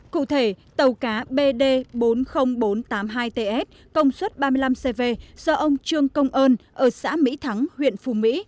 cụ thể tàu cá bd bốn mươi nghìn bốn trăm tám mươi hai ts công suất ba mươi năm cv do ông trương công ơn ở xã mỹ thắng huyện phù mỹ